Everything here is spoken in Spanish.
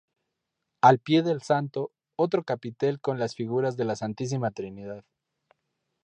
Al pie del santo, otro capitel con las figuras de la Santísima Trinidad.